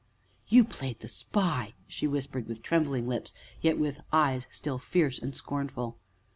"You played the spy!" she whispered with trembling lips, yet with eyes still fierce and scornful.